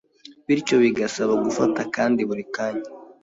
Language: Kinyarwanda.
bityo bigasaba gufata akandi buri kanya.